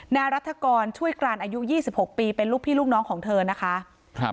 แนรัฐกรช่วยกรานอายุ๒๖ปีเป็นลูกพี่ลูกน้องของเธอนะคะ